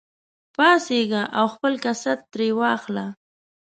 پاڅېږه او خپل کسات ترې واخله.